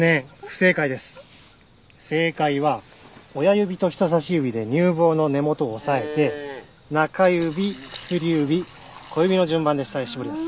正解は親指と人さし指で乳房の根元を押さえて中指薬指小指の順番で下に搾り出す。